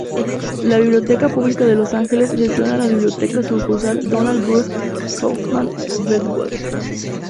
La Biblioteca Pública de Los Ángeles gestiona la Biblioteca Sucursal Donald Bruce Kaufman Brentwood.